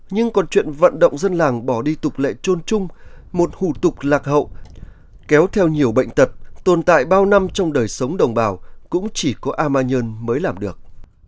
nhưng còn chuyện vận động dân làng bỏ đi tục lệ trôn chung một hủ tục lạc hậu kéo theo nhiều bệnh tật tồn tại bao năm trong đời sống đồng bào cũng chỉ có a ma nhơn mới làm được